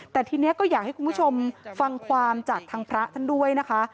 แต่ทีนี้ก็อยากให้คุณผู้ชมฟังความจากทางพระท่านด้วยนะคะ